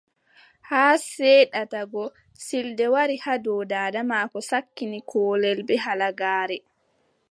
Haa seɗata go, siilde wari haa dow daada maako, sakkini koolel bee halagaare.